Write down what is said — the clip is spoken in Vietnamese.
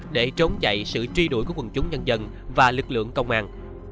để trốn chạy sự truy đuổi của quần chúng nhân dân và lực lượng công an